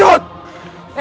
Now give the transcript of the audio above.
aaron ajak dia